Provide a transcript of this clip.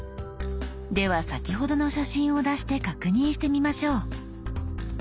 では先ほどの写真を出して確認してみましょう。